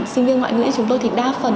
sinh viên ngoại ngữ chúng tôi thì đa phần